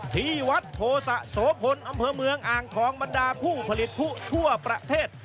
ที่วัดโภสะโสพลอำเภอเมืองอ่างทองบรรดาผู้ผลิตผู้ทั่วประเทศ